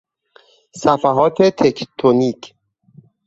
صفحات تکتونیک